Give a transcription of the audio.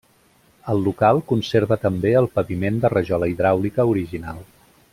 El local conserva també el paviment de rajola hidràulica original.